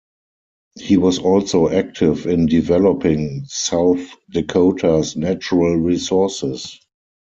He was also active in developing South Dakota's natural resources.